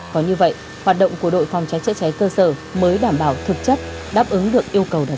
có như vậy hoạt động của đội phòng cháy chữa cháy cơ sở mới đảm bảo thực chất đáp ứng được yêu cầu đặt ra